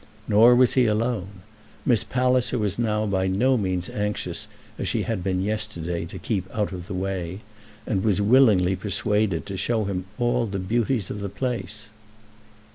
Nor was he alone. Miss Palliser was now by no means anxious as she had been yesterday to keep out of the way, and was willingly persuaded to show him all the beauties of the place.